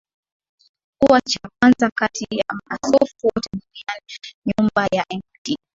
kuwa cha kwanza kati ya maaskofu wote duniani Nyumba ya Mt